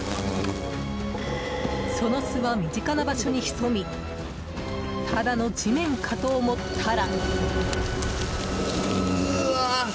その巣は身近な場所に潜みただの地面かと思ったら。